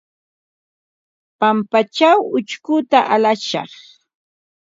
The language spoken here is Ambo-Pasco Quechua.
Pampaćhaw ućhkuta alashaq.